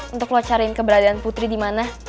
untuk lo cariin keberadaan putri dimana